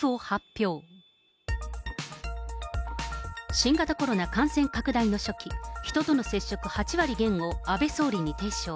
新型コロナ感染拡大の初期、人との接触８割減を安倍総理に提唱。